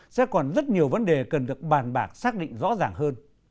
sẽ còn rất nhiều vấn đề cần được bàn bạc xác định rõ ràng hơn